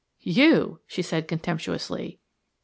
"You?" she said contemptuously.